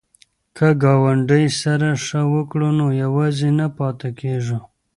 که ګاونډي سره ښه وکړو نو یوازې نه پاتې کیږو.